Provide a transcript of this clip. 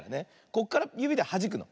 こっからゆびではじくの。